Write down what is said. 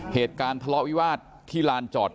เหตุการณ์ทะเลาะวิวาสที่ลานจอด